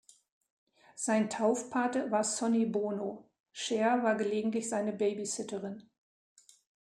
Sein Taufpate war Sonny Bono; Cher war gelegentlich seine Babysitterin.